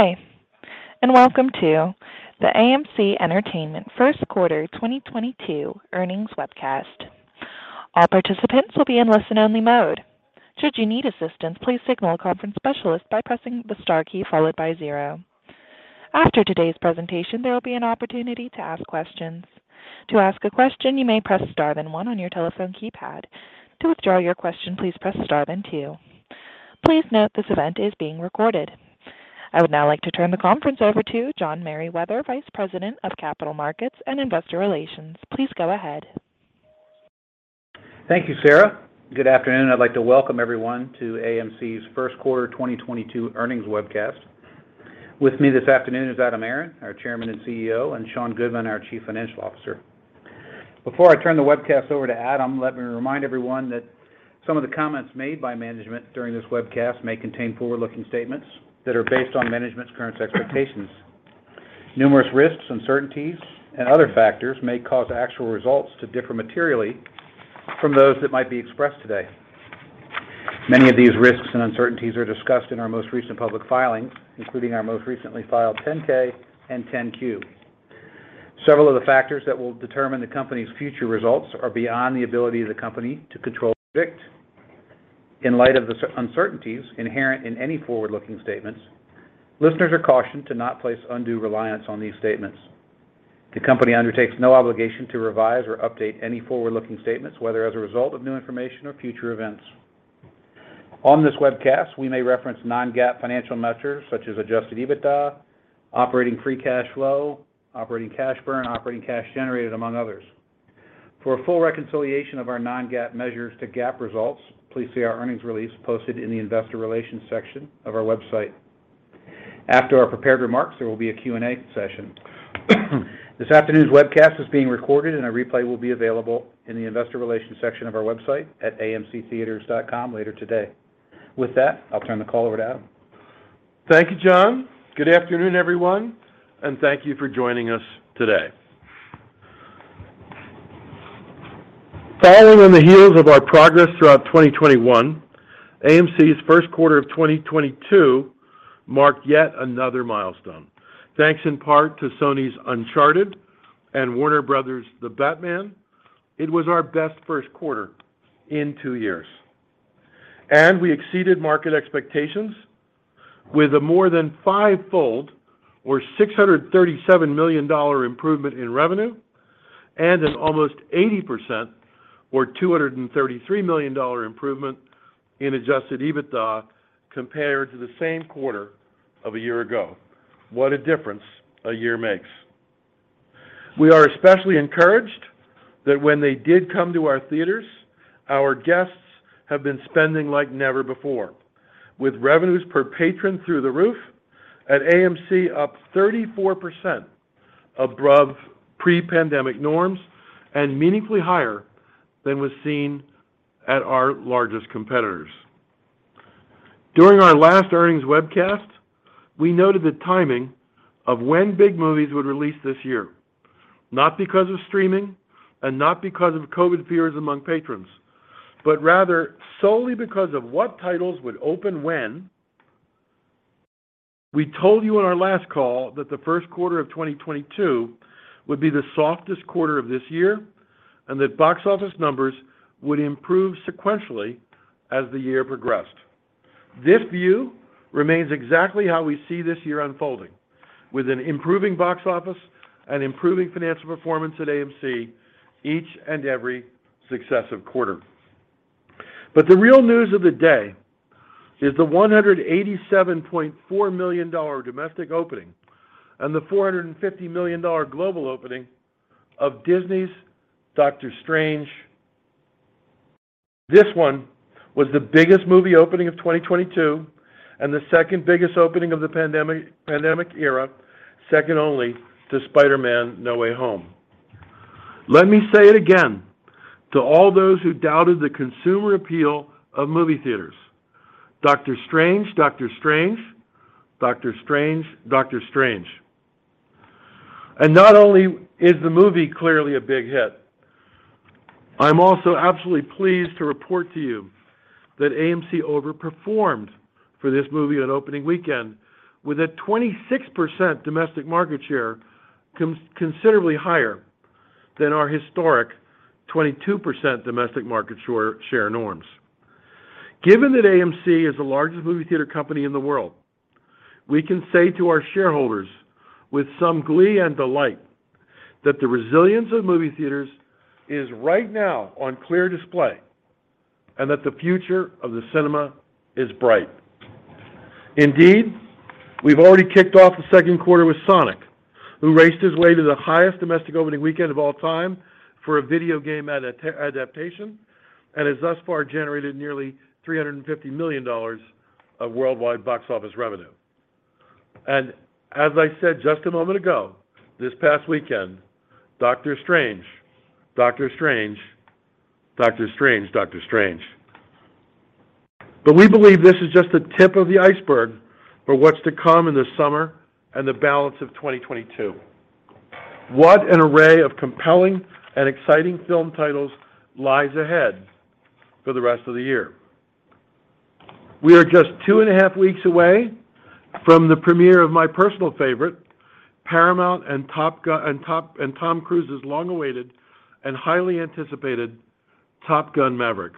day, and welcome to the AMC Entertainment Q1 2022 earnings webcast. I would now like to turn the conference over to John Merriwether, Vice President of Capital Markets and Investor Relations. Please go ahead. Thank you, Sarah. Good afternoon. I'd like to welcome everyone to AMC's Q1 2022 earnings webcast. With me this afternoon is Adam Aron, our Chairman and CEO, and Sean Goodman, our Chief Financial Officer. Before I turn the webcast over to Adam, let me remind everyone that some of the comments made by management during this webcast may contain forward-looking statements that are based on management's current expectations. Numerous risks, uncertainties and other factors may cause actual results to differ materially from those that might be expressed today. Many of these risks and uncertainties are discussed in our most recent public filings, including our most recently filed 10-K and 10-Q. Several of the factors that will determine the company's future results are beyond the ability of the company to control or predict. In light of the uncertainties inherent in any forward-looking statements, listeners are cautioned to not place undue reliance on these statements. The company undertakes no obligation to revise or update any forward-looking statements, whether as a result of new information or future events. On this webcast, we may reference non-GAAP financial measures such as adjusted EBITDA, operating free cash flow, operating cash burn, operating cash generated, among others. For a full reconciliation of our non-GAAP measures to GAAP results, please see our earnings release posted in the investor relations section of our website. After our prepared remarks, there will be a Q&A session. This afternoon's webcast is being recorded and a replay will be available in the investor relations section of our website at amctheatres.com later today. With that, I'll turn the call over to Adam. Thank you, John. Good afternoon, everyone, and thank you for joining us today. Following on the heels of our progress throughout 2021, AMC's Q1 of 2022 marked yet another milestone. Thanks in part to Sony's Uncharted and Warner Bros.' The Batman, it was our best first quarter in two years. We exceeded market expectations with a more than five-fold or $637 million improvement in revenue and an almost 80% or $233 million improvement in adjusted EBITDA compared to the same quarter of a year ago. What a difference a year makes. We are especially encouraged that when they did come to our theaters, our guests have been spending like never before, with revenues per patron through the roof at AMC up 34% above pre-pandemic norms and meaningfully higher than was seen at our largest competitors. During our last earnings webcast, we noted the timing of when big movies would release this year, not because of streaming and not because of COVID fears among patrons, but rather solely because of what titles would open when. We told you on our last call that the Q1 of 2022 would be the softest quarter of this year and that box office numbers would improve sequentially as the year progressed. This view remains exactly how we see this year unfolding, with an improving box office and improving financial performance at AMC each and every successive quarter. The real news of the day is the $187.4 million domestic opening and the $450 million global opening of Disney's Doctor Strange. This one was the biggest movie opening of 2022 and the second biggest opening of the pandemic era, second only to Spider-Man: No Way Home. Let me say it again to all those who doubted the consumer appeal of movie theaters. Doctor Strange. Not only is the movie clearly a big hit, I'm also absolutely pleased to report to you that AMC overperformed for this movie on opening weekend with a 26% domestic market share, considerably higher than our historic 22% domestic market share norms. Given that AMC is the largest movie theater company in the world, we can say to our shareholders with some glee and delight that the resilience of movie theaters is right now on clear display and that the future of the cinema is bright. Indeed, we've already kicked off the Q2 with Sonic, who raced his way to the highest domestic opening weekend of all time for a video game adaptation and has thus far generated nearly $350 million of worldwide box office revenue. As I said just a moment ago, this past weekend, Doctor Strange. We believe this is just the tip of the iceberg for what's to come in the summer and the balance of 2022. What an array of compelling and exciting film titles lies ahead for the rest of the year. We are just two and a half weeks away from the premiere of my personal favorite, Paramount and Tom Cruise's long-awaited and highly anticipated Top Gun: Maverick.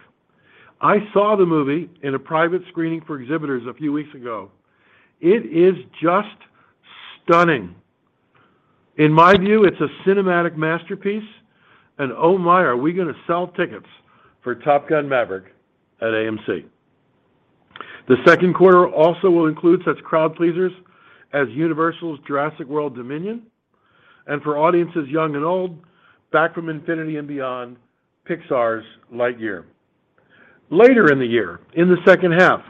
I saw the movie in a private screening for exhibitors a few weeks ago. It is just stunning. In my view, it's a cinematic masterpiece and oh my, are we gonna sell tickets for Top Gun: Maverick at AMC. The Q2 also will include such crowd-pleasers as Universal's Jurassic World Dominion, and for audiences young and old, back from infinity and beyond, Pixar's Lightyear. Later in the year, in the second half,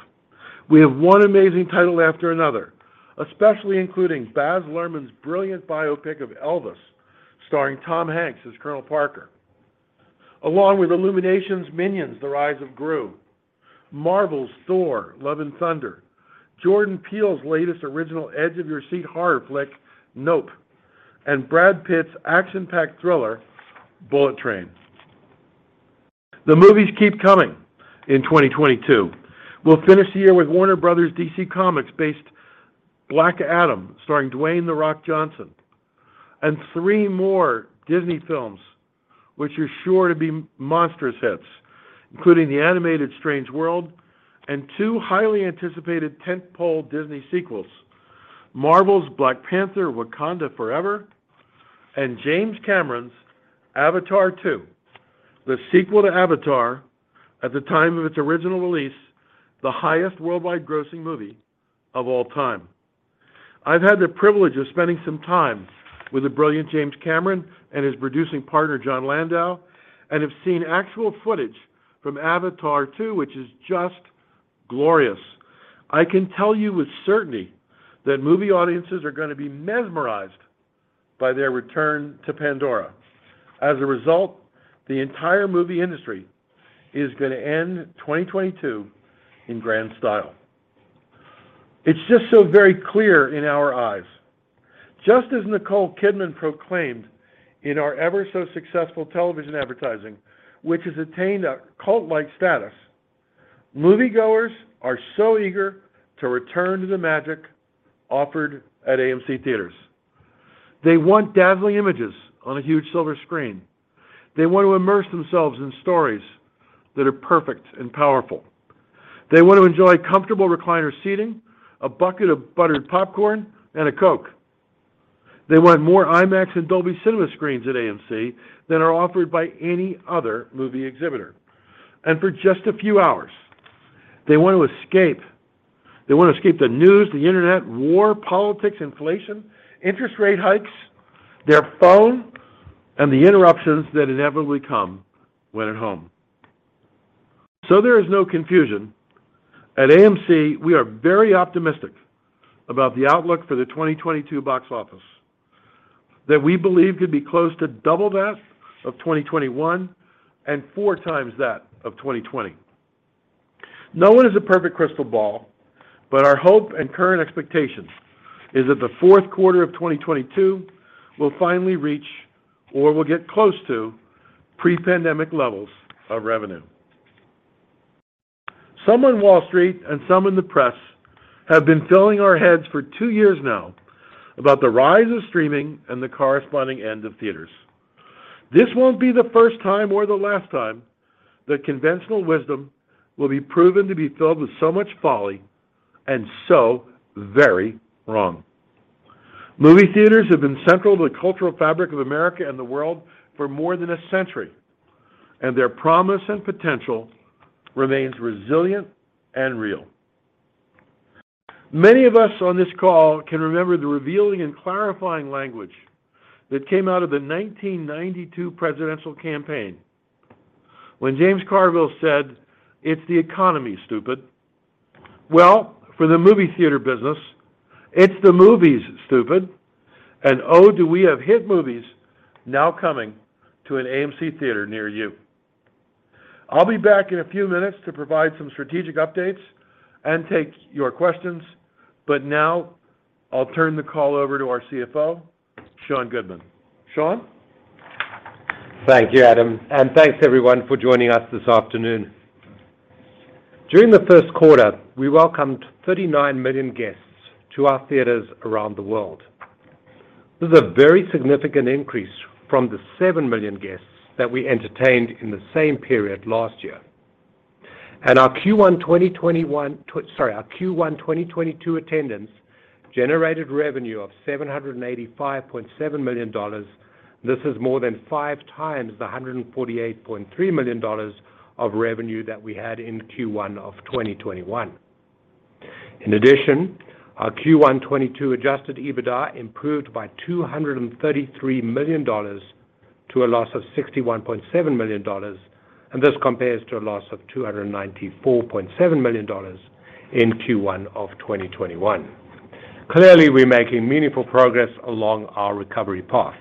we have one amazing title after another, especially including Baz Luhrmann's brilliant biopic of Elvis, starring Tom Hanks as Colonel Parker. Along with Illumination's Minions: The Rise of Gru, Marvel's Thor: Love and Thunder, Jordan Peele's latest original edge-of-your-seat horror flick, Nope, and Brad Pitt's action-packed thriller, Bullet Train. The movies keep coming in 2022. We'll finish the year with Warner Bros. DC Comics-based Black Adam, starring Dwayne The Rock Johnson, and three more Disney films which are sure to be monstrous hits, including the animated Strange World and two highly anticipated tent-pole Disney sequels, Marvel's Black Panther: Wakanda Forever and James Cameron's Avatar 2, the sequel to Avatar at the time of its original release, the highest worldwide grossing movie of all time. I've had the privilege of spending some time with the brilliant James Cameron and his producing partner, Jon Landau, and have seen actual footage from Avatar 2, which is just glorious. I can tell you with certainty that movie audiences are gonna be mesmerized by their return to Pandora. As a result, the entire movie industry is gonna end 2022 in grand style. It's just so very clear in our eyes, just as Nicole Kidman proclaimed in our ever so successful television advertising, which has attained a cult-like status, moviegoers are so eager to return to the magic offered at AMC Theatres. They want dazzling images on a huge silver screen. They want to immerse themselves in stories that are perfect and powerful. They want to enjoy comfortable recliner seating, a bucket of buttered popcorn, and a Coke. They want more IMAX and Dolby Cinema screens at AMC than are offered by any other movie exhibitor. For just a few hours, they want to escape. They want to escape the news, the internet, war, politics, inflation, interest rate hikes, their phone, and the interruptions that inevitably come when at home. There is no confusion, at AMC we are very optimistic about the outlook for the 2022 box office that we believe could be close to double that of 2021 and 4x that of 2020. No one has a perfect crystal ball, but our hope and current expectation is that the Q4 of 2022 will finally reach or will get close to pre-pandemic levels of revenue. Some on Wall Street and some in the press have been filling our heads for two years now about the rise of streaming and the corresponding end of theaters. This won't be the first time or the last time that conventional wisdom will be proven to be filled with so much folly and so very wrong. Movie theaters have been central to the cultural fabric of America and the world for more than a century, and their promise and potential remains resilient and real. Many of us on this call can remember the revealing and clarifying language that came out of the 1992 presidential campaign when James Carville said, "It's the economy, stupid." Well, for the movie theater business, it's the movies, stupid, and oh, do we have hit movies now coming to an AMC theater near you. I'll be back in a few minutes to provide some strategic updates and take your questions, but now I'll turn the call over to our CFO, Sean Goodman. Sean? Thank you, Adam, and thanks everyone for joining us this afternoon. During the first quarter, we welcomed 39 million guests to our theaters around the world. This is a very significant increase from the 7 million guests that we entertained in the same period last year. Our Q1 2022 attendance generated revenue of $785.7 million. This is more than 5x the $148.3 million of revenue that we had in Q1 of 2021. In addition, our Q1 2022 adjusted EBITDA improved by $233 million to a loss of $61.7 million, and this compares to a loss of $294.7 million in Q1 of 2021. Clearly, we're making meaningful progress along our recovery path.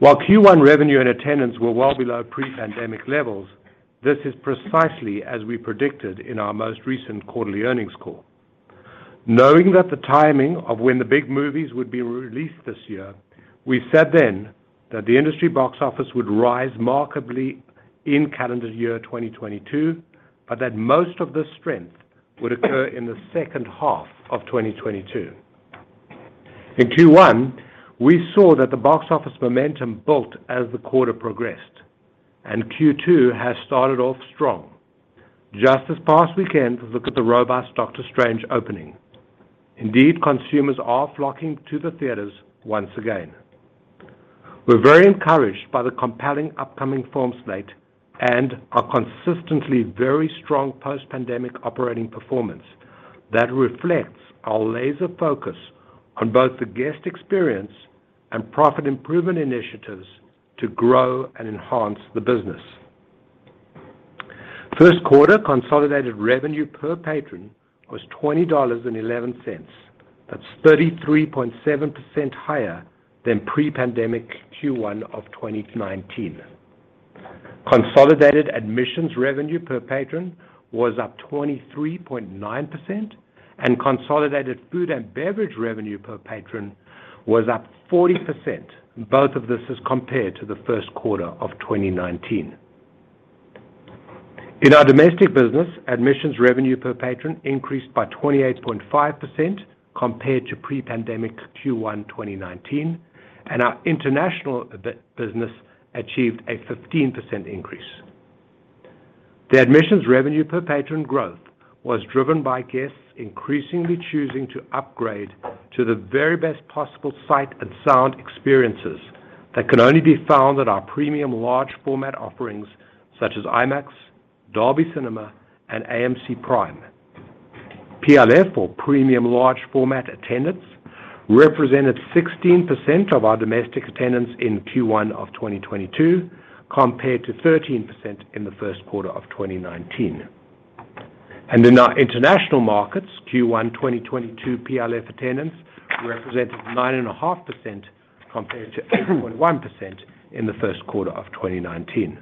While Q1 revenue and attendance were well below pre-pandemic levels, this is precisely as we predicted in our most recent quarterly earnings call. Knowing that the timing of when the big movies would be released this year, we said then that the industry box office would rise remarkably in calendar year 2022, but that most of the strength would occur in the second half of 2022. In Q1, we saw that the box office momentum built as the quarter progressed, and Q2 has started off strong. Just this past weekend, look at the robust Doctor Strange opening. Indeed, consumers are flocking to the theaters once again. We're very encouraged by the compelling upcoming film slate and our consistently very strong post-pandemic operating performance that reflects our laser focus on both the guest experience and profit improvement initiatives to grow and enhance the business. Q1 consolidated revenue per patron was $20.11. That's 33.7% higher than pre-pandemic Q1 of 2019. Consolidated admissions revenue per patron was up 23.9%, and consolidated food and beverage revenue per patron was up 40%. Both of this is compared to the first Q1 of 2019. In our domestic business, admissions revenue per patron increased by 28.5% compared to pre-pandemic Q1 2019, and our international business achieved a 15% increase. The admissions revenue per patron growth was driven by guests increasingly choosing to upgrade to the very best possible sight and sound experiences that can only be found at our Premium Large Format offerings such as IMAX, Dolby Cinema, and AMC PRIME. PLF or Premium Large Format attendance represented 16% of our domestic attendance in Q1 of 2022 compared to 13% in the Q1 of 2019. In our international markets, Q1 2022 PLF attendance represented 9.5% compared to 8.1% in the Q1 of 2019.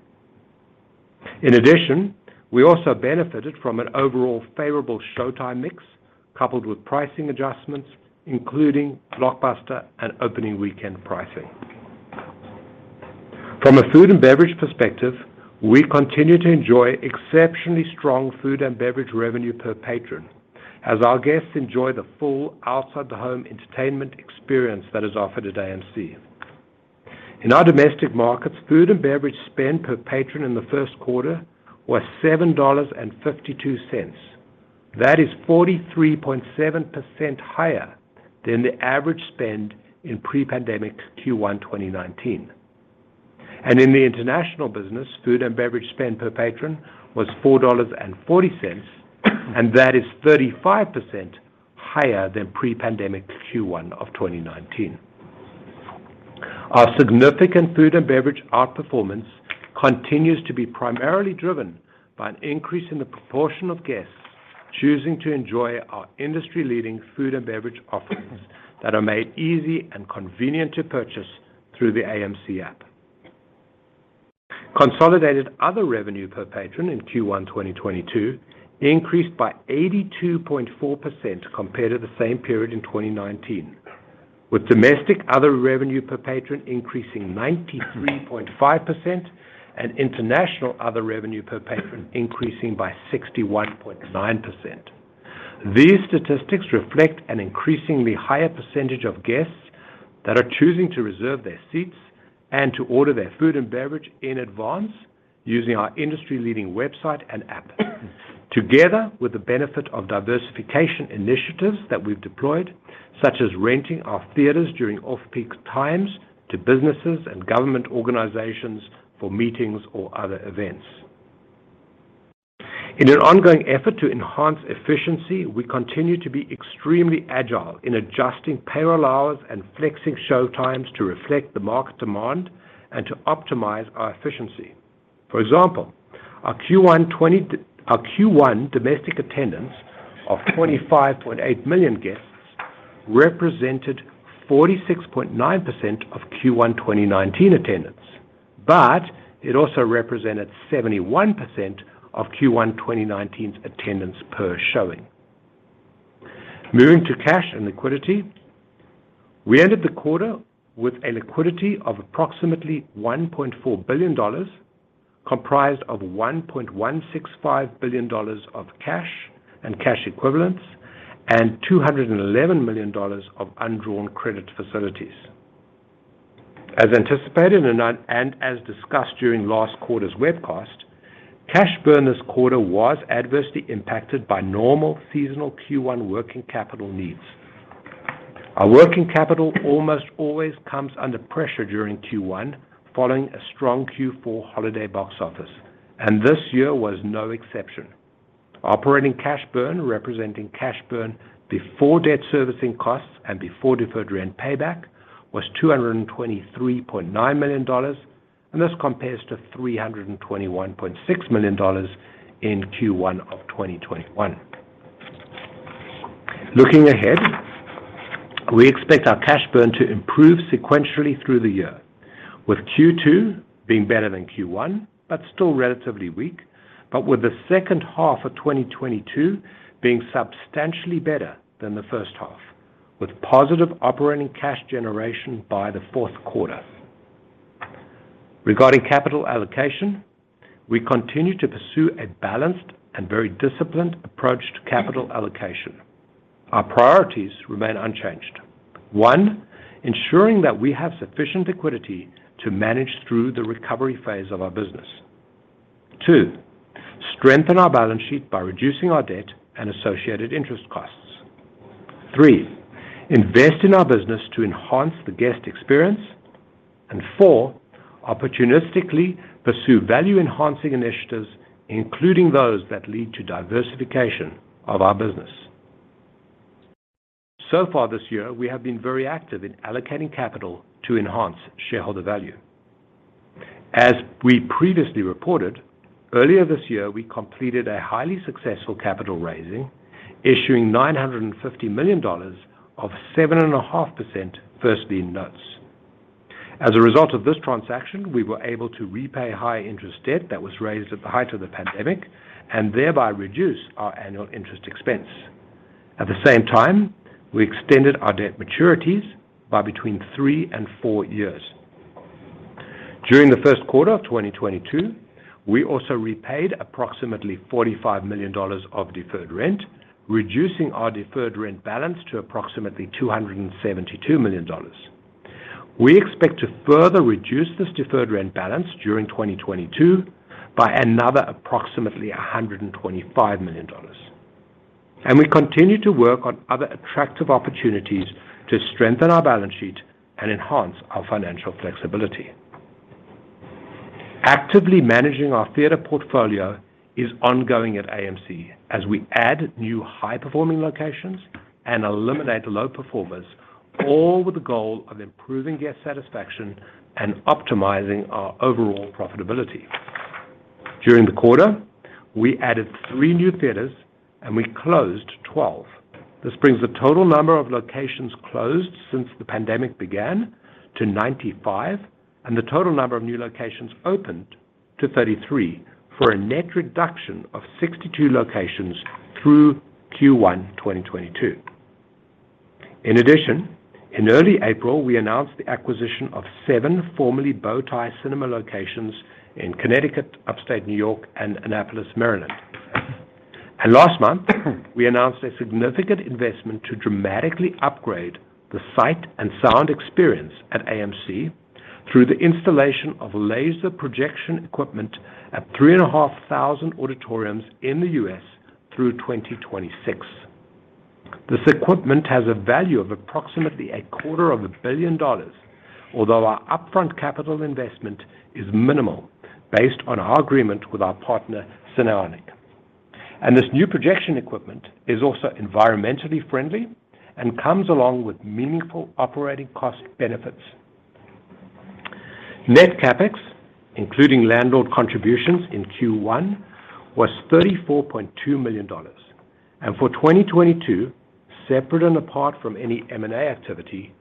In addition, we also benefited from an overall favorable showtime mix coupled with pricing adjustments, including blockbuster, and opening weekend pricing. From a food and beverage perspective, we continue to enjoy exceptionally strong food and beverage revenue per patron as our guests enjoy the full outside the home entertainment experience that is offered at AMC. In our domestic markets, food and beverage spend per patron in the first quarter was $7.52. That is 43.7% higher than the average spend in pre-pandemic Q1 2019. In the international business, food and beverage spend per patron was $4.40, and that is 35% higher than pre-pandemic Q1 2019. Our significant food and beverage outperformance continues to be primarily driven by an increase in the proportion of guests choosing to enjoy our industry-leading food and beverage offerings that are made easy and convenient to purchase through the AMC app. Consolidated other revenue per patron in Q1 2022 increased by 82.4% compared to the same period in 2019, with domestic other revenue per patron increasing 93.5% and international other revenue per patron increasing by 61.9%. These statistics reflect an increasingly higher percentage of guests that are choosing to reserve their seats and to order their food and beverage in advance using our industry-leading website and app. Together with the benefit of diversification initiatives that we've deployed, such as renting our theaters during off-peak times to businesses and government organizations for meetings or other events. In an ongoing effort to enhance efficiency, we continue to be extremely agile in adjusting payroll hours and flexing showtimes to reflect the market demand and to optimize our efficiency. For example, our Q1 domestic attendance of 25.8 million guests represented 46.9% of Q1 2019 attendance, but it also represented 71% of Q1 2019's attendance per showing. Moving to cash and liquidity. We ended the quarter with a liquidity of approximately $1.4 billion, comprised of $1.165 billion of cash and cash equivalents and $211 million of undrawn credit facilities. As anticipated and as discussed during last quarter's webcast, cash burn this quarter was adversely impacted by normal seasonal Q1 working capital needs. Our working capital almost always comes under pressure during Q1 following a strong Q4 holiday box office, and this year was no exception. Operating cash burn, representing cash burn before debt servicing costs and before deferred rent payback, was $223.9 million, and this compares to $321.6 million in Q1 of 2021. Looking ahead, we expect our cash burn to improve sequentially through the year, with Q2 being better than Q1, but still relatively weak. With the second half of 2022 being substantially better than the first half, with positive operating cash generation by the Q4. Regarding capital allocation, we continue to pursue a balanced and very disciplined approach to capital allocation. Our priorities remain unchanged. One, ensuring that we have sufficient liquidity to manage through the recovery phase of our business. Two, strengthen our balance sheet by reducing our debt and associated interest costs. Three, invest in our business to enhance the guest experience. Four, opportunistically pursue value-enhancing initiatives, including those that lead to diversification of our business. So far this year, we have been very active in allocating capital to enhance shareholder value. As we previously reported, earlier this year, we completed a highly successful capital raising, issuing $950 million of 7.5% first lien notes. As a result of this transaction, we were able to repay high interest debt that was raised at the height of the pandemic and thereby reduce our annual interest expense. At the same time, we extended our debt maturities by between three and four years. During the first quarter of 2022, we also repaid approximately $45 million of deferred rent, reducing our deferred rent balance to approximately $272 million. We expect to further reduce this deferred rent balance during 2022 by another approximately $125 million. We continue to work on other attractive opportunities to strengthen our balance sheet and enhance our financial flexibility. Actively managing our theater portfolio is ongoing at AMC as we add new high-performing locations and eliminate low performers, all with the goal of improving guest satisfaction and optimizing our overall profitability. During the quarter, we added three new theaters and we closed 12. This brings the total number of locations closed since the pandemic began to 95, and the total number of new locations opened to 33 for a net reduction of 62 locations through Q1 2022. In addition, in early April, we announced the acquisition of seven formerly Bow Tie Cinemas locations in Connecticut, Upstate New York, and Annapolis, Maryland. Last month, we announced a significant investment to dramatically upgrade the sight and sound experience at AMC through the installation of laser projection equipment at 3,500 auditoriums in the US through 2026. This equipment has a value of approximately a quarter of a billion dollars. Although our upfront capital investment is minimal based on our agreement with our partner, Cinionic. This new projection equipment is also environmentally friendly and comes along with meaningful operating cost benefits. Net CapEx, including landlord contributions in Q1, was $34.2 million. For 2022, separate and apart from any M&A activity,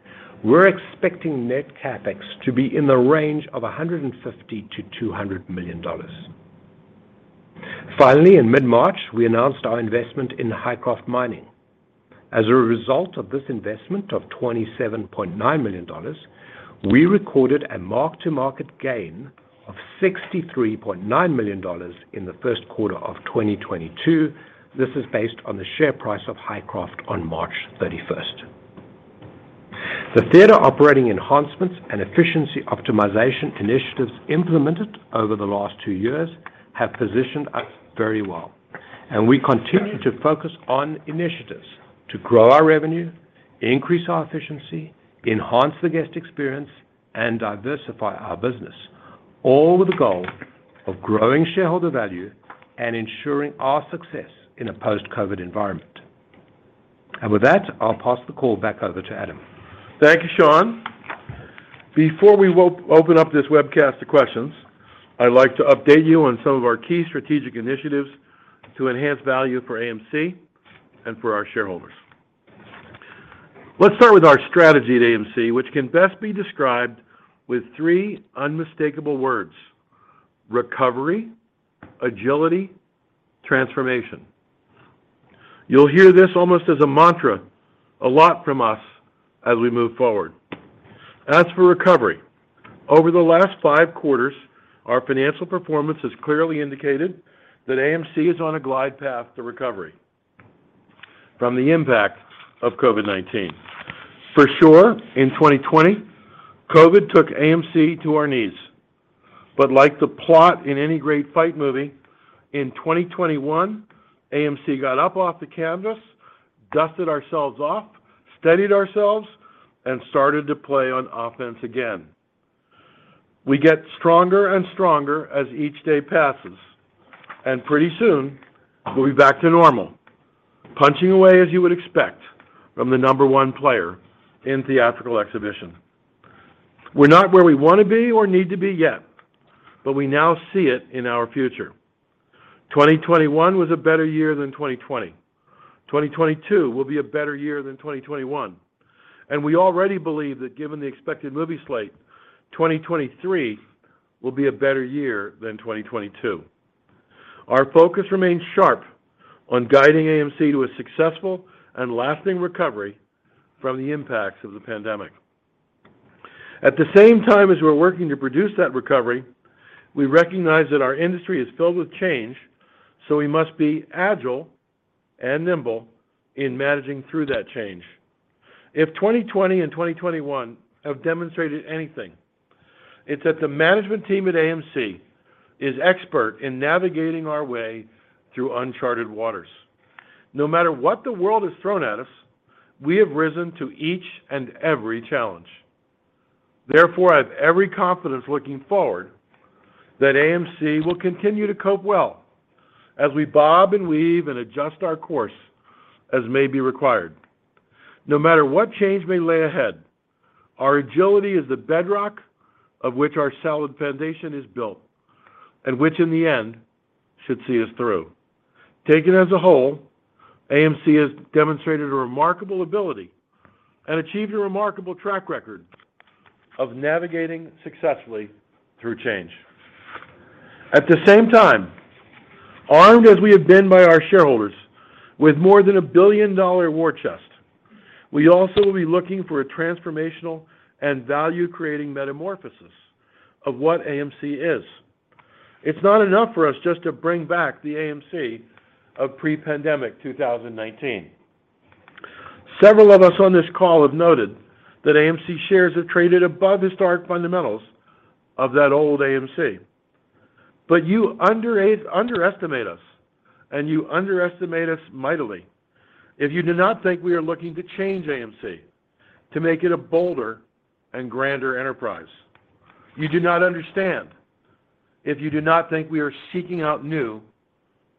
we're expecting net CapEx to be in the range of $150 million-$200 million. Finally, in mid-March, we announced our investment in Hycroft Mining. As a result of this investment of $27.9 million, we recorded a mark-to-market gain of $63.9 million in the Q1 of 2022. This is based on the share price of Hycroft on March 31st. The theater operating enhancements and efficiency optimization initiatives implemented over the last two years have positioned us very well, and we continue to focus on initiatives to grow our revenue, increase our efficiency, enhance the guest experience, and diversify our business, all with the goal of growing shareholder value and ensuring our success in a post-COVID environment. With that, I'll pass the call back over to Adam. Thank you, Sean. Before we open up this webcast to questions, I'd like to update you on some of our key strategic initiatives to enhance value for AMC and for our shareholders. Let's start with our strategy at AMC, which can best be described with three unmistakable words, recovery, agility, transformation. You'll hear this almost as a mantra a lot from us as we move forward. As for recovery, over the last Q5, our financial performance has clearly indicated that AMC is on a glide path to recovery from the impact of COVID-19. For sure, in 2020, COVID took AMC to our knees. Like the plot in any great fight movie, in 2021, AMC got up off the canvas, dusted ourselves off, steadied ourselves, and started to play on offense again. We get stronger and stronger as each day passes, and pretty soon we'll be back to normal, punching away as you would expect from the number one player in theatrical exhibition. We're not where we want to be or need to be yet, but we now see it in our future. 2021 was a better year than 2020. 2022 will be a better year than 2021, and we already believe that given the expected movie slate, 2023 will be a better year than 2022. Our focus remains sharp on guiding AMC to a successful and lasting recovery from the impacts of the pandemic. At the same time as we're working to produce that recovery, we recognize that our industry is filled with change, so we must be agile and nimble in managing through that change. If 2020 and 2021 have demonstrated anything, it's that the management team at AMC is expert in navigating our way through uncharted waters. No matter what the world has thrown at us, we have risen to each and every challenge. Therefore, I have every confidence looking forward that AMC will continue to cope well as we bob and weave and adjust our course as may be required. No matter what change may lay ahead, our agility is the bedrock of which our solid foundation is built and which in the end should see us through. Taken as a whole, AMC has demonstrated a remarkable ability and achieved a remarkable track record of navigating successfully through change. At the same time, armed as we have been by our shareholders with more than a billion-dollar war chest, we also will be looking for a transformational and value-creating metamorphosis of what AMC is. It's not enough for us just to bring back the AMC of pre-pandemic 2019. Several of us on this call have noted that AMC shares have traded above historic fundamentals of that old AMC. You underestimate us, and you underestimate us mightily if you do not think we are looking to change AMC to make it a bolder and grander enterprise. You do not understand if you do not think we are seeking out new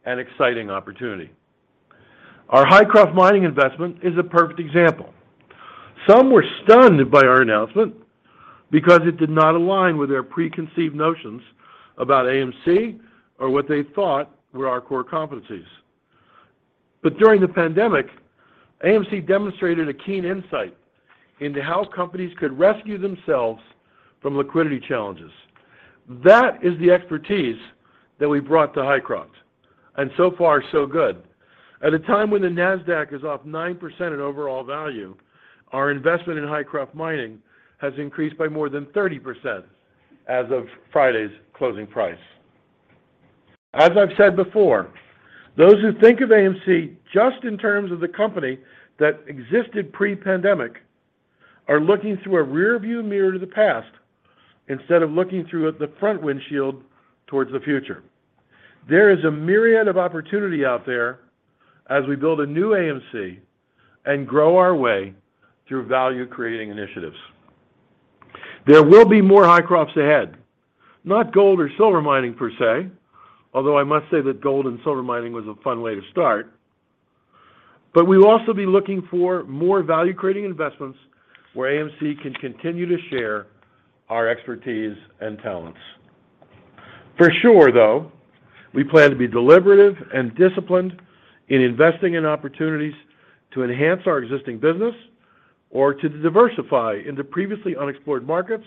and exciting opportunity. Our Hycroft Mining investment is a perfect example. Some were stunned by our announcement because it did not align with their preconceived notions about AMC or what they thought were our core competencies. During the pandemic, AMC demonstrated a keen insight into how companies could rescue themselves from liquidity challenges. That is the expertise that we brought to Hycroft, and so far so good. At a time when the Nasdaq is off 9% in overall value, our investment in Hycroft Mining has increased by more than 30% as of Friday's closing price. As I've said before, those who think of AMC just in terms of the company that existed pre-pandemic are looking through a rearview mirror to the past instead of looking through the front windshield towards the future. There is a myriad of opportunity out there as we build a new AMC and grow our way through value-creating initiatives. There will be more Hycrofts ahead, not gold or silver mining per se, although I must say that gold and silver mining was a fun way to start. We will also be looking for more value-creating investments where AMC can continue to share our expertise and talents. For sure, though, we plan to be deliberative and disciplined in investing in opportunities to enhance our existing business or to diversify into previously unexplored markets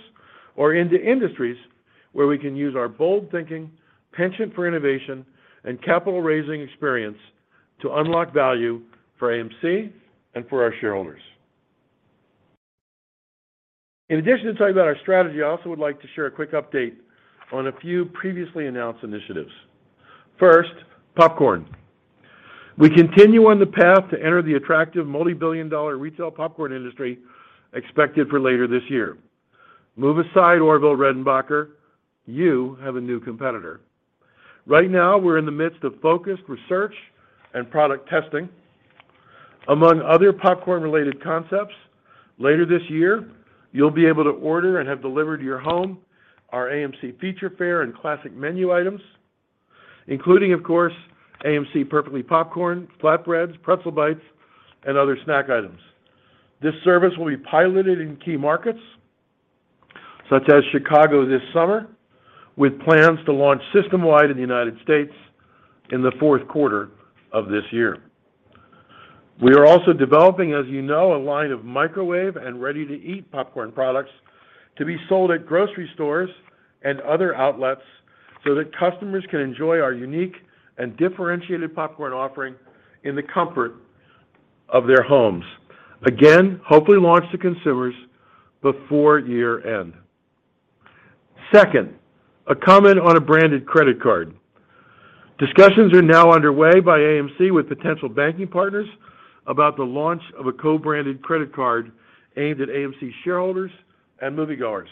or into industries where we can use our bold thinking, penchant for innovation, and capital raising experience to unlock value for AMC and for our shareholders. In addition to talking about our strategy, I also would like to share a quick update on a few previously announced initiatives. 1st, popcorn. We continue on the path to enter the attractive multi-billion-dollar retail popcorn industry expected for later this year. Move aside, Orville Redenbacher. You have a new competitor. Right now, we're in the midst of focused research and product testing. Among other popcorn-related concepts, later this year, you'll be able to order and have delivered to your home our AMC Feature Fare and classic menu items, including, of course, AMC Perfectly Popcorn, flatbreads, pretzel bites, and other snack items. This service will be piloted in key markets, such as Chicago this summer, with plans to launch system-wide in the United States in the Q4 of this year. We are also developing, as you know, a line of microwave and ready-to-eat popcorn products to be sold at grocery stores and other outlets so that customers can enjoy our unique and differentiated popcorn offering in the comfort of their homes. Again, hopefully launched to consumers before year-end. 2nd, a comment on a branded credit card. Discussions are now underway by AMC with potential banking partners about the launch of a co-branded credit card aimed at AMC shareholders and moviegoers.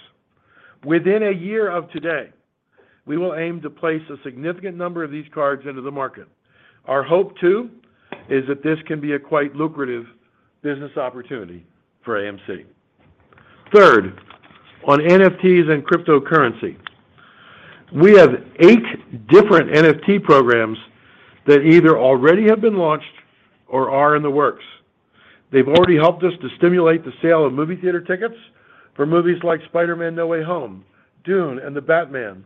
Within a year of today, we will aim to place a significant number of these cards into the market. Our hope, too, is that this can be a quite lucrative business opportunity for AMC. 3rd, on NFTs and cryptocurrency. We have eight different NFT programs that either already have been launched or are in the works. They've already helped us to stimulate the sale of movie theater tickets for movies like Spider-Man: No Way Home, Dune, and The Batman,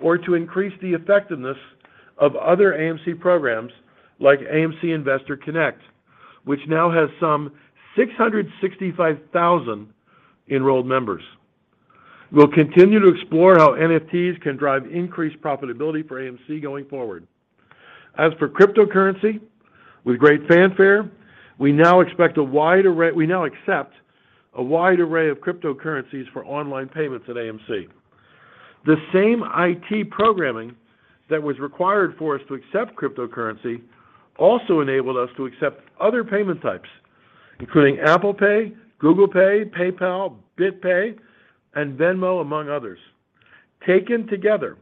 or to increase the effectiveness of other AMC programs like AMC Investor Connect, which now has some 665,000 enrolled members. We'll continue to explore how NFTs can drive increased profitability for AMC going forward. As for cryptocurrency, with great fanfare, we now accept a wide array of cryptocurrencies for online payments at AMC. The same IT programming that was required for us to accept cryptocurrency also enabled us to accept other payment types, including Apple Pay, Google Pay, PayPal, BitPay, and Venmo, among others. Taken together,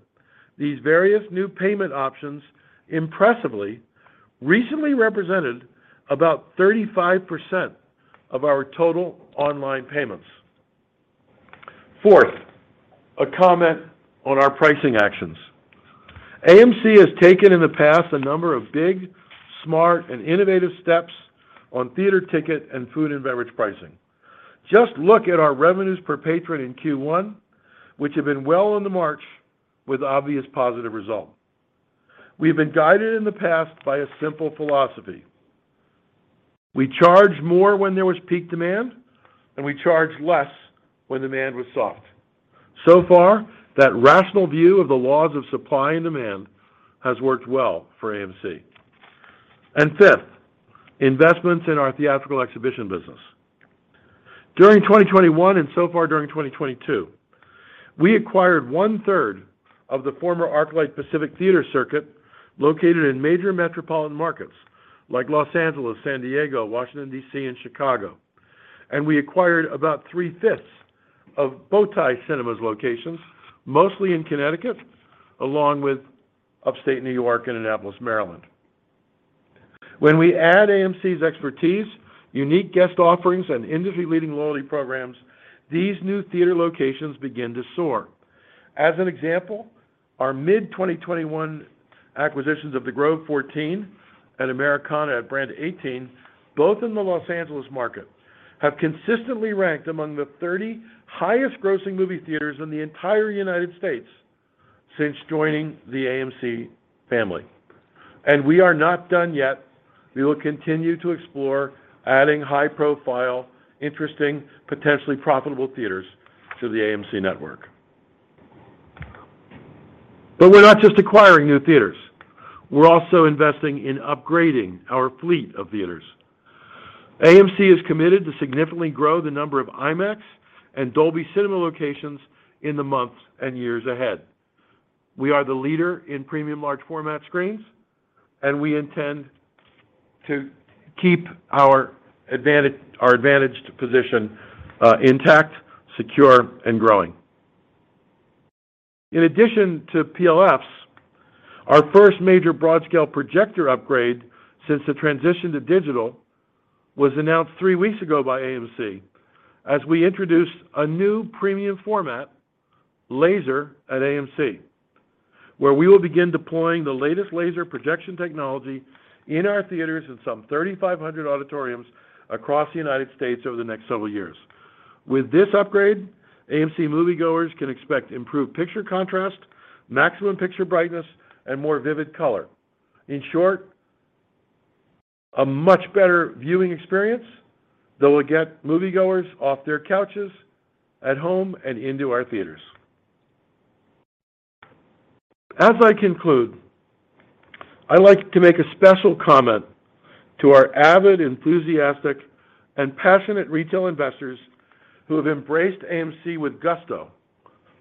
these various new payment options impressively recently represented about 35% of our total online payments. 4th, a comment on our pricing actions. AMC has taken in the past a number of big, smart, and innovative steps on theater ticket and food and beverage pricing. Just look at our revenues per patron in Q1, which have been well on the march with obvious positive result. We have been guided in the past by a simple philosophy. We charge more when there was peak demand, and we charge less when demand was soft. So far, that rational view of the laws of supply and demand has worked well for AMC. 5th, investments in our theatrical exhibition business. During 2021 and so far during 2022, we acquired one-third of the former ArcLight Cinemas and Pacific Theatres circuit located in major metropolitan markets like Los Angeles, San Diego, Washington, D.C., and Chicago. We acquired about three-fifths of Bow Tie Cinemas locations, mostly in Connecticut, along with upstate New York and Annapolis, Maryland. When we add AMC's expertise, unique guest offerings, and industry-leading loyalty programs, these new theater locations begin to soar. As an example, our mid-2021 acquisitions of The Grove 14 and Americana at Brand 18, both in the Los Angeles market, have consistently ranked among the 30 highest-grossing movie theaters in the entire United States since joining the AMC family. We are not done yet. We will continue to explore adding high-profile, interesting, potentially profitable theaters to the AMC network. We're not just acquiring new theaters. We're also investing in upgrading our fleet of theaters. AMC is committed to significantly grow the number of IMAX and Dolby Cinema locations in the months and years ahead. We are the leader in premium large format screens, and we intend to keep our advantaged position intact, secure, and growing. In addition to PLFs, our first major broad-scale projector upgrade since the transition to digital was announced three weeks ago by AMC as we introduced a new premium format Laser at AMC, where we will begin deploying the latest laser projection technology in our theaters in some 3,500 auditoriums across the United States over the next several years. With this upgrade, AMC moviegoers can expect improved picture contrast, maximum picture brightness, and more vivid color. In short, a much better viewing experience that will get moviegoers off their couches at home and into our theaters. As I conclude, I like to make a special comment to our avid, enthusiastic, and passionate retail investors who have embraced AMC with gusto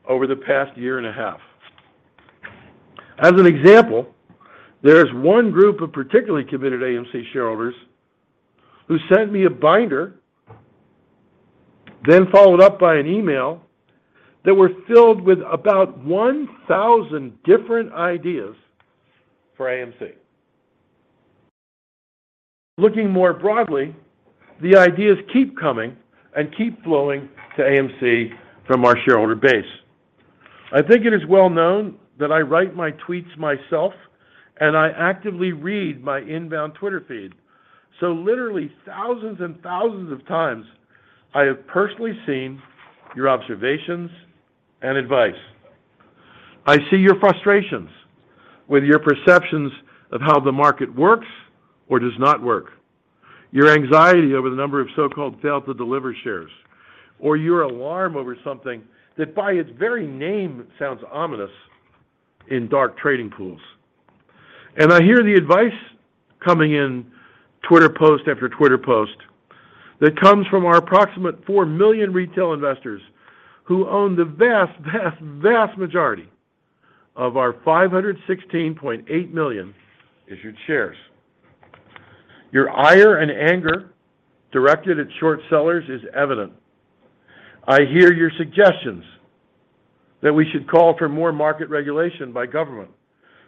over the past year and a half. As an example, there's one group of particularly committed AMC shareholders who sent me a binder, then followed up by an email that were filled with about 1,000 different ideas for AMC. Looking more broadly, the ideas keep coming and keep flowing to AMC from our shareholder base. I think it is well known that I write my tweets myself, and I actively read my inbound Twitter feed. Literally thousands and thousands of times, I have personally seen your observations and advice. I see your frustrations with your perceptions of how the market works or does not work, your anxiety over the number of so-called fail to deliver shares, or your alarm over something that by its very name sounds ominous in dark trading pools. I hear the advice coming in Twitter post after Twitter post that comes from our approximate 4 million retail investors who own the vast, vast majority of our 516.8 million issued shares. Your ire and anger directed at short sellers is evident. I hear your suggestions that we should call for more market regulation by government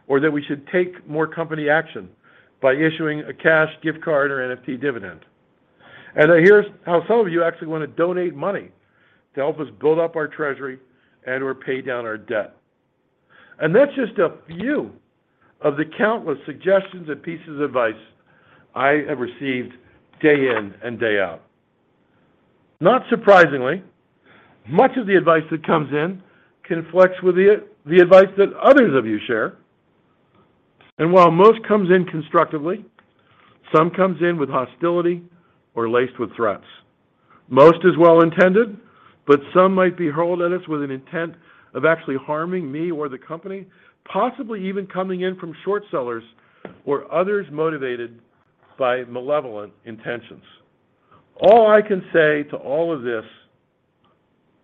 or that we should take more company action by issuing a cash gift card or NFT dividend. I hear how some of you actually want to donate money to help us build up our treasury and/or pay down our debt. That's just a few of the countless suggestions and pieces of advice I have received day in and day out. Not surprisingly, much of the advice that comes in conflicts with the advice that others of you share. While most comes in constructively, some comes in with hostility or laced with threats. Most is well-intended, but some might be hurled at us with an intent of actually harming me or the company, possibly even coming in from short sellers or others motivated by malevolent intentions. All I can say to all of this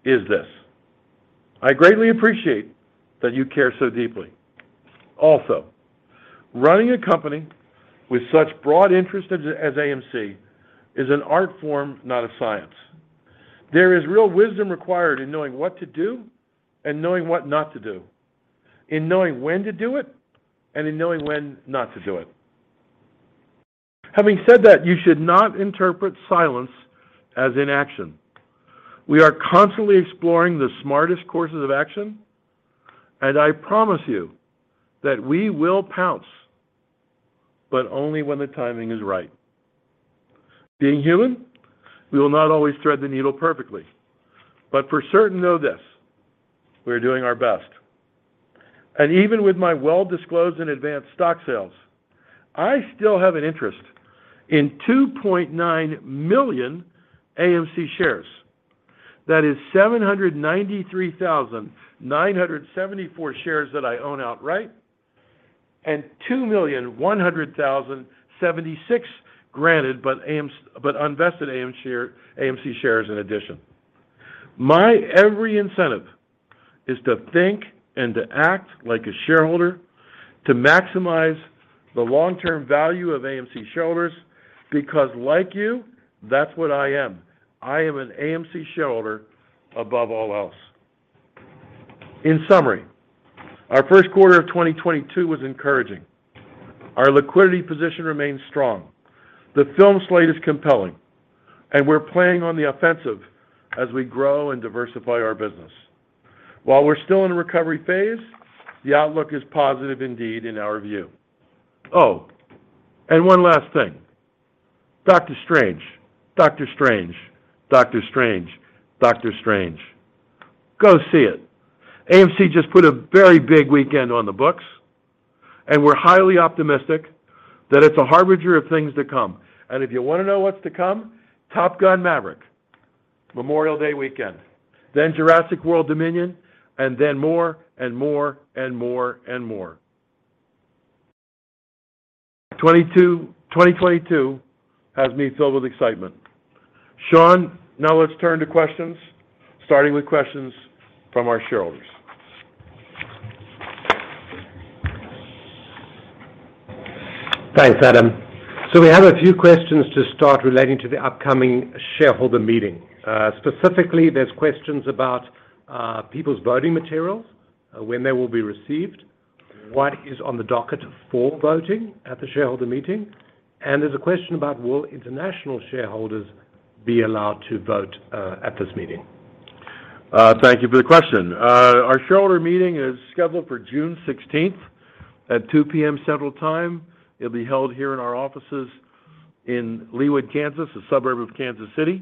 is this. I greatly appreciate that you care so deeply. Also, running a company with such broad interest as AMC is an art form, not a science. There is real wisdom required in knowing what to do and knowing what not to do, in knowing when to do it and in knowing when not to do it. Having said that, you should not interpret silence as inaction. We are constantly exploring the smartest courses of action, and I promise you that we will pounce, but only when the timing is right. Being human, we will not always thread the needle perfectly. But for certain know this, we are doing our best. Even with my well-disclosed and advanced stock sales, I still have an interest in 2.9 million AMC shares. That is 793,974 shares that I own outright, and 2,100,076 granted but unvested AMC shares in addition. My every incentive is to think and to act like a shareholder to maximize the long-term value of AMC shareholders because like you, that's what I am. I am an AMC shareholder above all else. In summary, our first quarter of 2022 was encouraging. Our liquidity position remains strong. The film slate is compelling, and we're playing on the offensive as we grow and diversify our business. While we're still in a recovery phase, the outlook is positive indeed in our view. One last thing. Doctor Strange. Go see it. AMC just put a very big weekend on the books, and we're highly optimistic that it's a harbinger of things to come. If you want to know what's to come, Top Gun: Maverick, Memorial Day weekend, then Jurassic World Dominion, and then more, and more, and more, and more. 2022 has me filled with excitement. Sean, now let's turn to questions, starting with questions from our shareholders. Thanks, Adam. We have a few questions to start relating to the upcoming shareholder meeting. Specifically, there's questions about people's voting materials, when they will be received, what is on the docket for voting at the shareholder meeting, and there's a question about will international shareholders be allowed to vote at this meeting. Thank you for the question. Our shareholder meeting is scheduled for June 16th at 2:00 P.M. Central Time. It'll be held here in our offices in Leawood, Kansas, a suburb of Kansas City.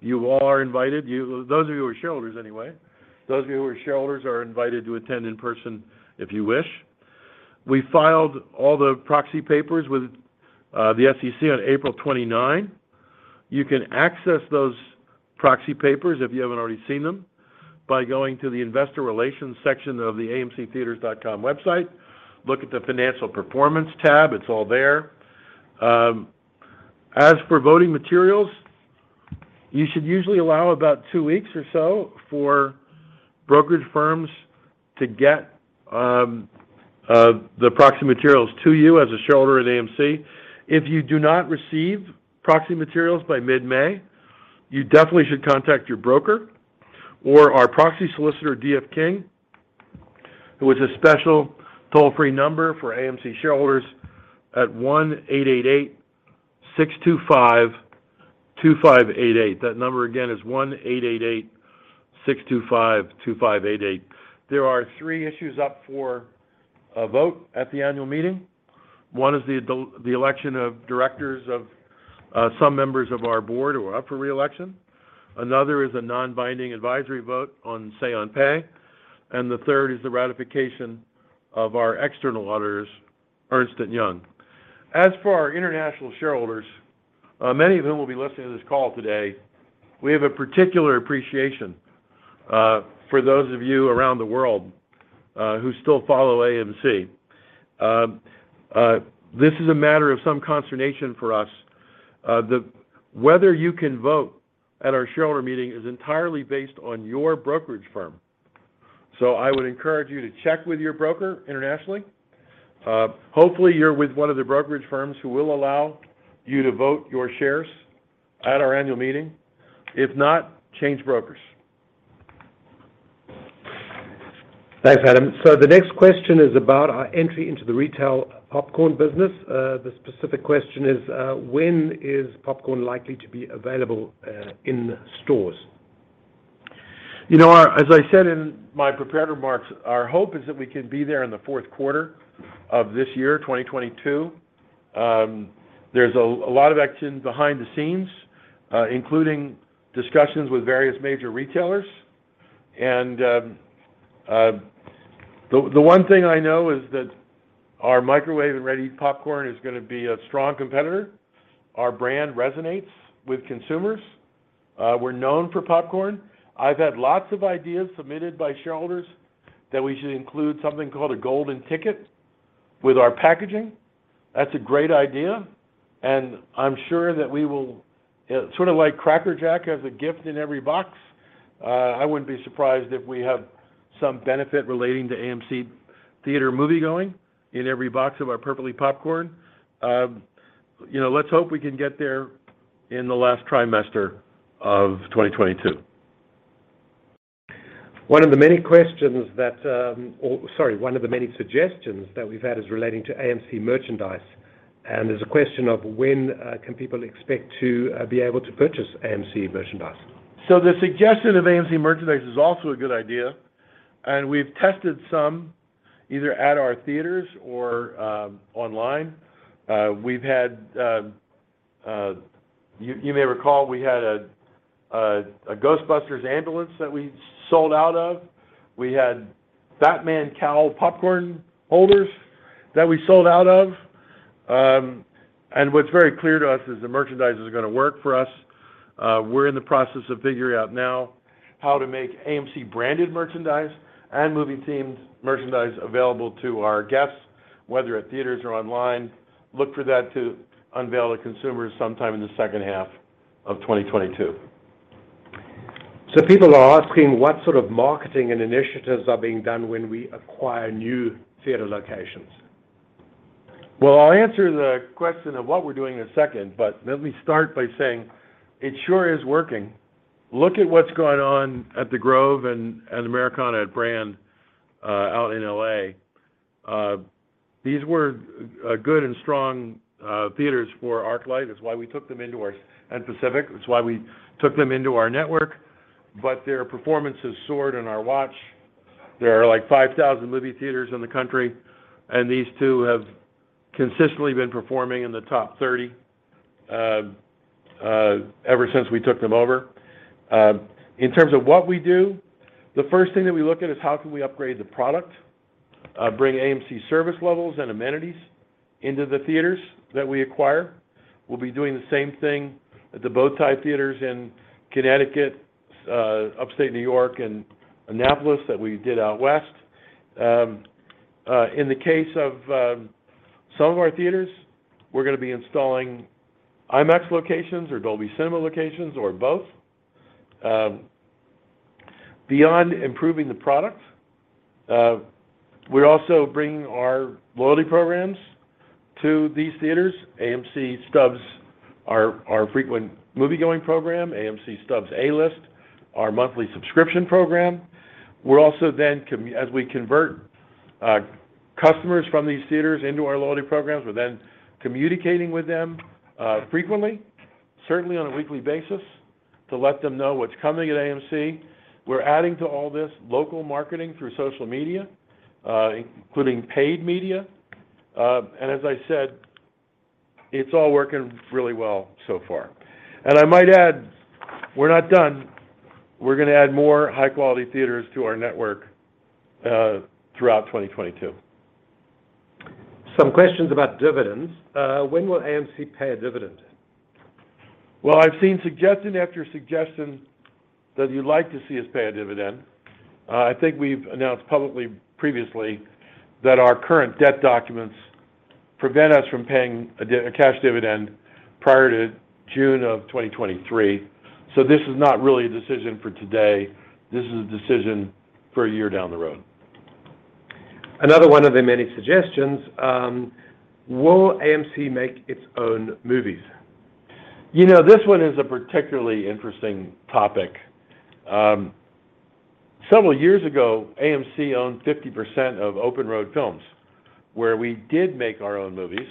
You all are invited. Those of you who are shareholders anyway are invited to attend in person if you wish. We filed all the proxy papers with the SEC on April 29th. You can access those proxy papers if you haven't already seen them by going to the investor relations section of the amctheatres.com website. Look at the financial performance tab. It's all there. As for voting materials, you should usually allow about two weeks or so for brokerage firms to get the proxy materials to you as a shareholder at AMC. If you do not receive proxy materials by mid-May, you definitely should contact your broker or our proxy solicitor, D.F. King, with a special toll-free number for AMC shareholders at 1-888-625-2588. That number again is 1-888-625-2588. There are three issues up for a vote at the annual meeting. One is the election of directors of some members of our board who are up for reelection. Another is a non-binding advisory vote on say on pay. And the third is the ratification of our external auditors, Ernst & Young. As for our international shareholders, many of whom will be listening to this call today, we have a particular appreciation for those of you around the world who still follow AMC. This is a matter of some consternation for us. Whether you can vote at our shareholder meeting is entirely based on your brokerage firm. I would encourage you to check with your broker internationally. Hopefully, you're with one of the brokerage firms who will allow you to vote your shares at our annual meeting. If not, change brokers. Thanks, Adam. The next question is about our entry into the retail popcorn business. The specific question is, when is popcorn likely to be available, in stores? You know, as I said in my prepared remarks, our hope is that we can be there in the Q4 of this year, 2022. There's a lot of action behind the scenes, including discussions with various major retailers. The one thing I know is that our microwave-and-ready popcorn is gonna be a strong competitor. Our brand resonates with consumers. We're known for popcorn. I've had lots of ideas submitted by shareholders that we should include something called a golden ticket with our packaging. That's a great idea, and I'm sure that we will. Sort of like Cracker Jack has a gift in every box, I wouldn't be surprised if we have some benefit relating to AMC Theatres moviegoing in every box of our Perfectly Popcorn. You know, let's hope we can get there in the last trimester of 2022. One of the many suggestions that we've had is relating to AMC merchandise, and there's a question of when can people expect to be able to purchase AMC merchandise. The suggestion of AMC merchandise is also a good idea, and we've tested some either at our theaters or online. You may recall we had a Ghostbusters ambulance that we sold out of. We had Batman cowl popcorn holders that we sold out of. What's very clear to us is that merchandise is gonna work for us? We're in the process of figuring out now how to make AMC-branded merchandise and movie-themed merchandise available to our guests, whether at theaters or online. Look for that to unveil to consumers sometime in the second half of 2022. People are asking what sort of marketing and initiatives are being done when we acquire new theater locations. Well, I'll answer the question of what we're doing in a second, but let me start by saying it sure is working. Look at what's going on at The Grove and at Americana at Brand out in L.A. These were good and strong theaters for ArcLight and Pacific. It's why we took them into our network. Their performance has soared on our watch. There are, like, 5,000 movie theaters in the country, and these two have consistently been performing in the top 30 ever since we took them over. In terms of what we do, the first thing that we look at is how can we upgrade the product, bring AMC service levels and amenities into the theaters that we acquire. We'll be doing the same thing at the Bow Tie Cinemas in Connecticut, upstate New York, and Annapolis that we did out west. In the case of some of our theaters, we're gonna be installing IMAX locations or Dolby Cinema locations or both. Beyond improving the product, we're also bringing our loyalty programs to these theaters, AMC Stubs, our frequent moviegoing program, AMC Stubs A-List, our monthly subscription program. We're also then, as we convert customers from these theaters into our loyalty programs, we're then communicating with them frequently, certainly on a weekly basis, to let them know what's coming at AMC. We're adding to all this local marketing through social media, including paid media. As I said, it's all working really well so far. I might add, we're not done. We're gonna add more high-quality theaters to our network throughout 2022. Some questions about dividends. When will AMC pay a dividend? Well, I've seen suggestion after suggestion that you'd like to see us pay a dividend. I think we've announced publicly previously that our current debt documents prevent us from paying a cash dividend prior to June 2023, so this is not really a decision for today. This is a decision for a year down the road. Another one of the many suggestions: Will AMC make its own movies? You know, this one is a particularly interesting topic. Several years ago, AMC owned 50% of Open Road Films, where we did make our own movies,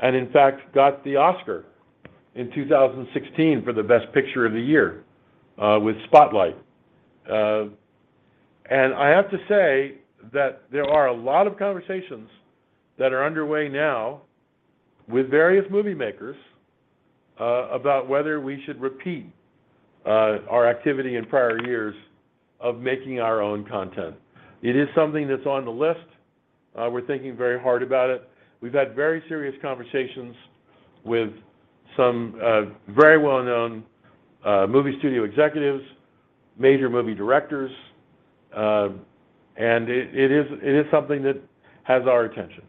and in fact got the Oscar in 2016 for the best picture of the year, with Spotlight. I have to say that there are a lot of conversations that are underway now with various movie makers, about whether we should repeat, our activity in prior years of making our own content. It is something that's on the list. We're thinking very hard about it. We've had very serious conversations with some, very well-known, movie studio executives, major movie directors, and it is something that has our attention.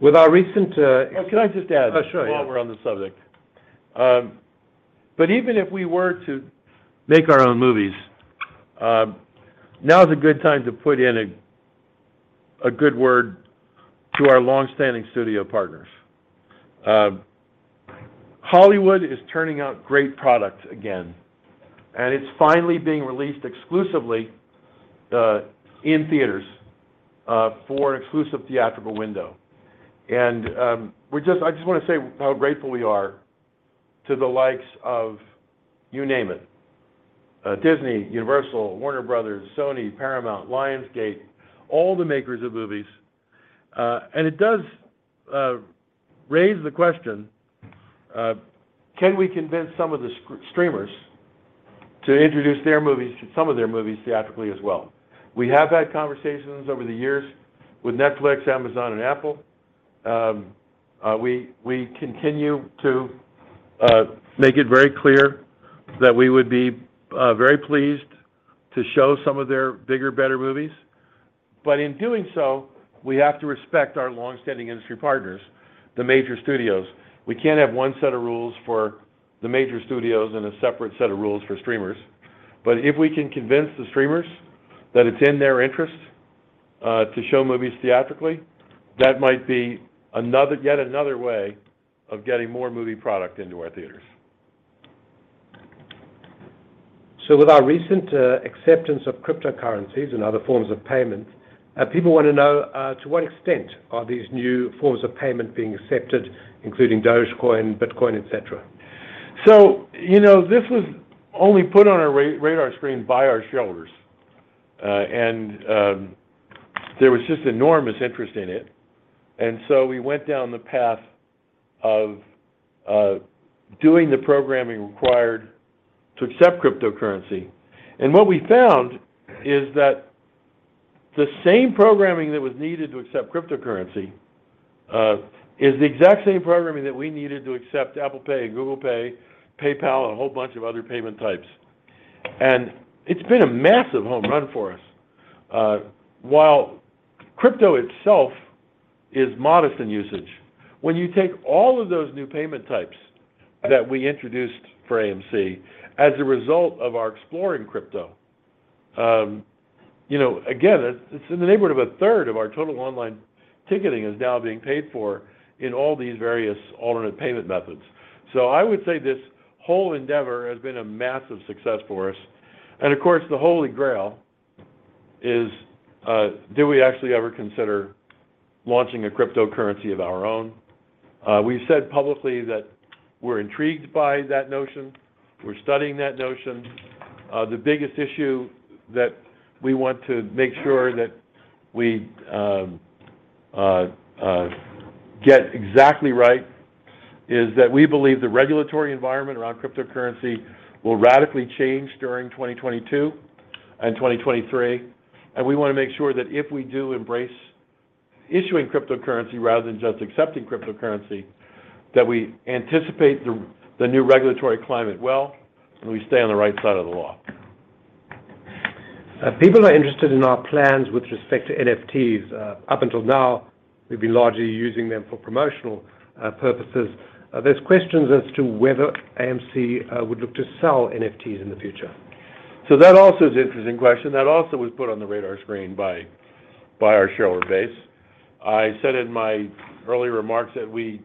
With our recent Oh, can I just add. Oh, sure, yeah.... while we're on the subject. But even if we were to make our own movies, now is a good time to put in a good word to our long-standing studio partners. Hollywood is turning out great products again, and it's finally being released exclusively in theaters for an exclusive theatrical window. I just wanna say how grateful we are to the likes of, you name it, Disney, Universal, Warner Bros., Sony, Paramount, Lionsgate, all the makers of movies. It does raise the question, can we convince some of the streamers to introduce their movies, some of their movies theatrically as well? We have had conversations over the years with Netflix, Amazon, and Apple. We continue to make it very clear that we would be very pleased to show some of their bigger, better movies. In doing so, we have to respect our long-standing industry partners, the major studios. We can't have one set of rules for the major studios and a separate set of rules for streamers. If we can convince the streamers that it's in their interest to show movies theatrically, that might be yet another way of getting more movie product into our theaters. With our recent acceptance of cryptocurrencies and other forms of payment, people wanna know to what extent are these new forms of payment being accepted, including Dogecoin, Bitcoin, et cetera. You know, this was only put on our radar screen by our shareholders. There was just enormous interest in it. We went down the path of doing the programming required to accept cryptocurrency. What we found is that the same programming that was needed to accept cryptocurrency is the exact same programming that we needed to accept Apple Pay, Google Pay, PayPal, a whole bunch of other payment types. It's been a massive home run for us. While crypto itself is modest in usage, when you take all of those new payment types that we introduced for AMC as a result of our exploring crypto, you know, again, it's in the neighborhood of a third of our total online ticketing is now being paid for in all these various alternate payment methods. I would say this whole endeavor has been a massive success for us. Of course, the holy grail is, do we actually ever consider launching a cryptocurrency of our own? We've said publicly that we're intrigued by that notion. We're studying that notion. The biggest issue that we want to make sure that we get exactly right is that we believe the regulatory environment around cryptocurrency will radically change during 2022 and 2023, and we wanna make sure that if we do embrace issuing cryptocurrency rather than just accepting cryptocurrency, that we anticipate the new regulatory climate well, and we stay on the right side of the law. People are interested in our plans with respect to NFTs. Up until now, we've been largely using them for promotional purposes. There's questions as to whether AMC would look to sell NFTs in the future. That also is an interesting question. That also was put on the radar screen by our shareholder base. I said in my early remarks that we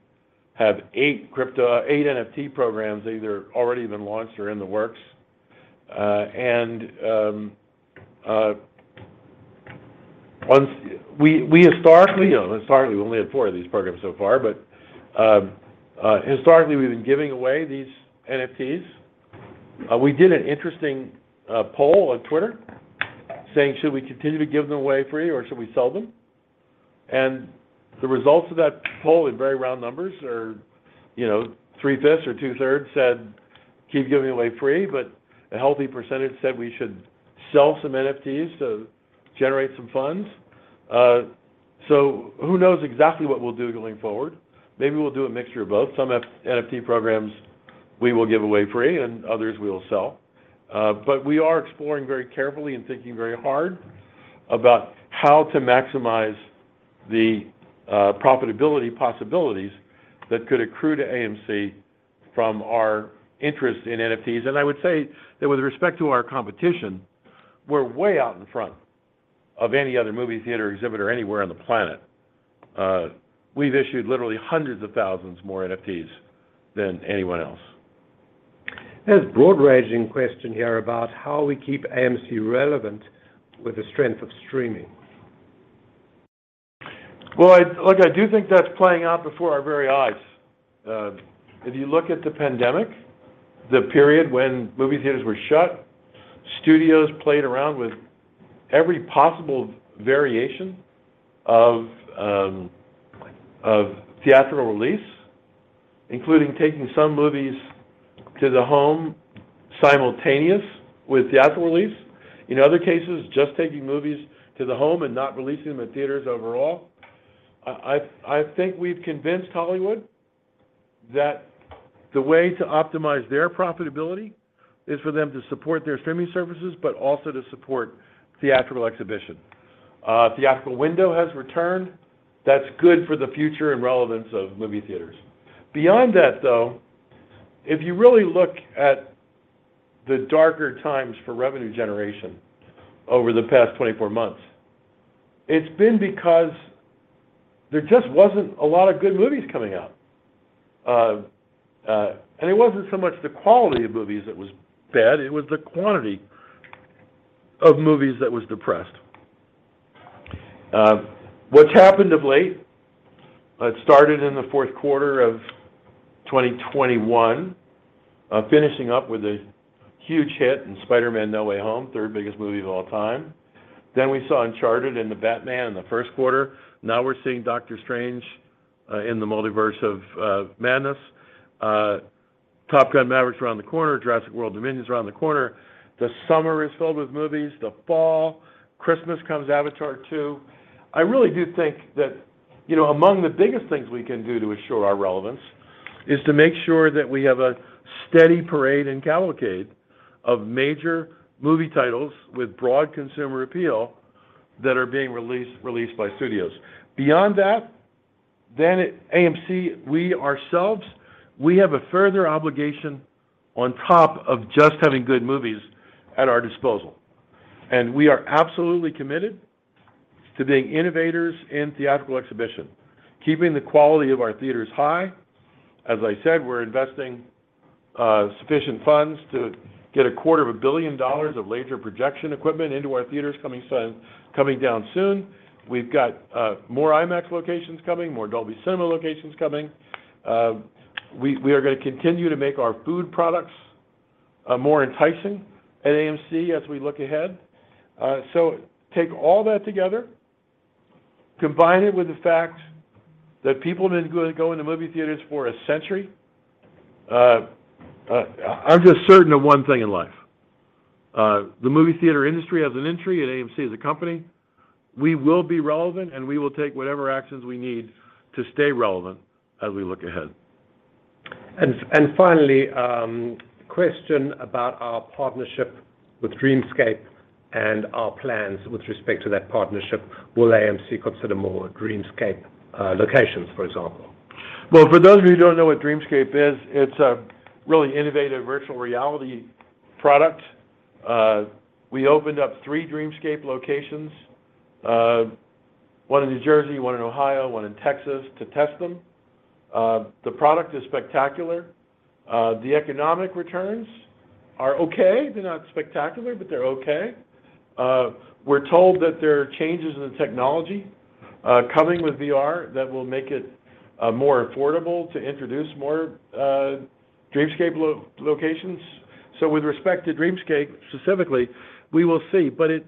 have eight NFT programs either already been launched or in the works. We historically, you know, historically, we've only had four of these programs so far, but historically, we've been giving away these NFTs. We did an interesting poll on Twitter saying, "Should we continue to give them away free or should we sell them?" The results of that poll in very round numbers are, you know, three-fifths or two-thirds said, keep giving away free, but a healthy percentage said we should sell some NFTs to generate some funds. Who knows exactly what we'll do going forward. Maybe we'll do a mixture of both. Some NFT programs we will give away free and others we will sell. We are exploring very carefully and thinking very hard about how to maximize the profitability possibilities that could accrue to AMC from our interest in NFTs. I would say that with respect to our competition, we're way out in front of any other movie theater exhibitor anywhere on the planet. We've issued literally hundreds of thousands more NFTs than anyone else. There's a broad-ranging question here about how we keep AMC relevant with the strength of streaming. I do think that's playing out before our very eyes. If you look at the pandemic, the period when movie theaters were shut, studios played around with every possible variation of theatrical release, including taking some movies to the home simultaneous with theatrical release. In other cases, just taking movies to the home and not releasing them in theaters overall. I think we've convinced Hollywood that the way to optimize their profitability is for them to support their streaming services, but also to support theatrical exhibition. Theatrical window has returned. That's good for the future and relevance of movie theaters. Beyond that, though, if you really look at the darker times for revenue generation over the past 24 months, it's been because there just wasn't a lot of good movies coming out. It wasn't so much the quality of movies that was bad, it was the quantity of movies that was depressed. What's happened of late, it started in the Q4 of 2021, finishing up with a huge hit in Spider-Man: No Way Home, third biggest movie of all time. Then we saw Uncharted and The Batman in the Q1. Now we're seeing Doctor Strange in the Multiverse of Madness. Top Gun: Maverick's around the corner. Jurassic World: Dominion's around the corner. The summer is filled with movies. The fall, Christmas comes Avatar 2. I really do think that, you know, among the biggest things we can do to assure our relevance is to make sure that we have a steady parade and cavalcade of major movie titles with broad consumer appeal that are being released by studios. Beyond that, at AMC, we ourselves have a further obligation on top of just having good movies at our disposal, and we are absolutely committed to being innovators in theatrical exhibition, keeping the quality of our theaters high. As I said, we're investing sufficient funds to get a quarter of a billion dollars of laser projection equipment into our theaters coming soon, coming down soon. We've got more IMAX locations coming, more Dolby Cinema locations coming. We are gonna continue to make our food products more enticing at AMC as we look ahead. Take all that together, combine it with the fact that people have been going to movie theaters for a century. I'm just certain of one thing in life. The movie theater industry as an industry and AMC as a company, we will be relevant, and we will take whatever actions we need to stay relevant as we look ahead. Finally, question about our partnership with Dreamscape and our plans with respect to that partnership. Will AMC consider more Dreamscape locations, for example? Well, for those of you who don't know what Dreamscape is, it's a really innovative virtual reality product. We opened up three Dreamscape locations, one in New Jersey, one in Ohio, one in Texas to test them. The product is spectacular. The economic returns are okay. They're not spectacular, but they're okay. We're told that there are changes in the technology coming with VR that will make it more affordable to introduce more Dreamscape locations. With respect to Dreamscape specifically, we will see. But it.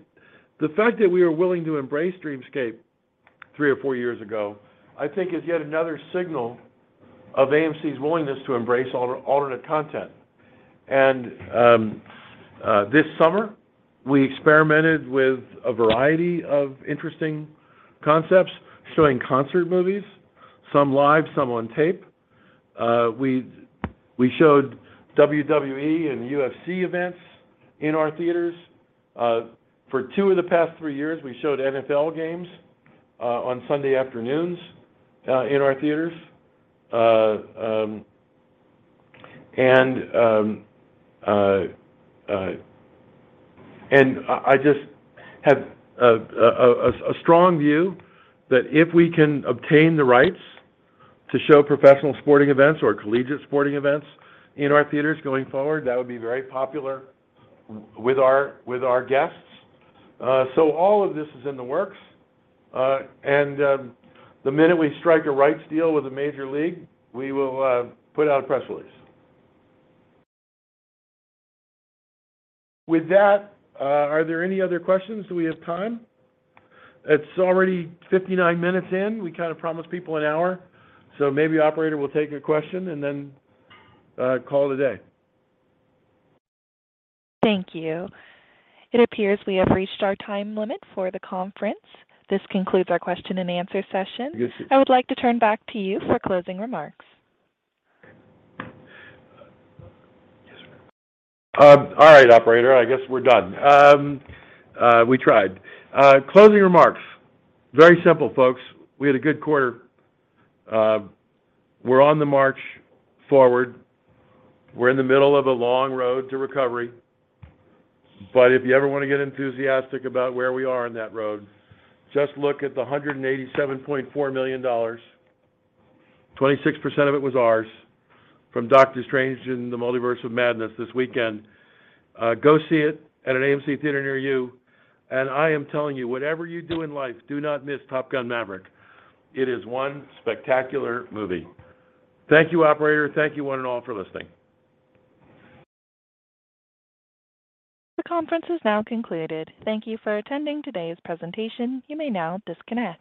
The fact that we were willing to embrace Dreamscape three or four years ago, I think is yet another signal of AMC's willingness to embrace alternate content. This summer we experimented with a variety of interesting concepts, showing concert movies, some live, some on tape. We showed WWE and UFC events in our theaters. For two of the past three years we showed NFL games on Sunday afternoons in our theaters. I just have a strong view that if we can obtain the rights to show professional sporting events or collegiate sporting events in our theaters going forward, that would be very popular with our guests. All of this is in the works. The minute we strike a rights deal with a major league, we will put out a press release. With that, are there any other questions? Do we have time? It's already 59 minutes in. We kinda promised people an hour, so maybe operator will take a question and then call it a day. Thank you. It appears we have reached our time limit for the conference. This concludes our question and answer session. Yes. I would like to turn back to you for closing remarks. Yes. All right, operator. I guess we're done. We tried. Closing remarks. Very simple, folks. We had a good quarter. We're on the march forward. We're in the middle of a long road to recovery. If you ever wanna get enthusiastic about where we are on that road, just look at the $187.4 million, 26% of it was ours from Doctor Strange in the Multiverse of Madness this weekend. Go see it at an AMC theater near you. I am telling you, whatever you do in life, do not miss Top Gun: Maverick. It is one spectacular movie. Thank you, operator. Thank you one and all for listening. The conference is now concluded. Thank you for attending today's presentation. You may now disconnect.